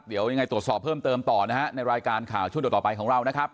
เดี๋ยวยังไงตรวจสอบเพิ่มเติมต่อนะฮะในรายการข่าวช่วงต่อไปของเรานะครับ